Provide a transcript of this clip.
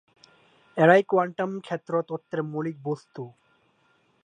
এরাই কোয়ান্টাম ক্ষেত্র তত্ত্বের মৌলিক বস্তু।